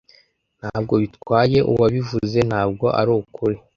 Ntabwo bitwaye uwabivuze, ntabwo arukuri.